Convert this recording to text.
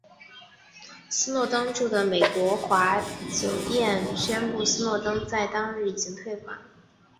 斯诺登居住的美丽华酒店宣布斯诺登在当日已经退房。